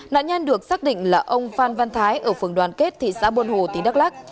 nạn nhân được xác định là ông phan văn thái ở phường đoàn kết thị xã buôn hồ tỉnh đắk lắc